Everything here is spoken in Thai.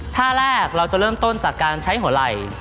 ท่าแรกเราจะเริ่มต้นจากการใช้หัวไหล่